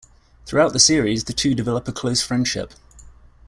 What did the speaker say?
Throughout the series the two develop a close friendship.